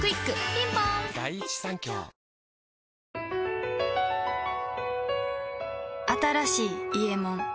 ピンポーン新しい「伊右衛門」